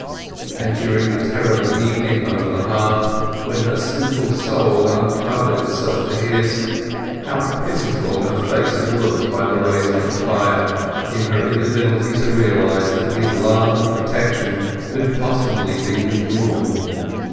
And during the terrible evening over the hearth, when her simple soul uncovered itself to his, how pitiful her face had looked by the rays of the fire, in her inability to realize that his love and protection could possibly be withdrawn.